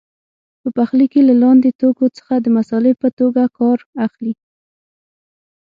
په پخلي کې له لاندې توکو څخه د مسالې په توګه کار اخلي.